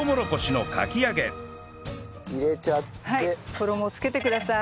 衣をつけてください。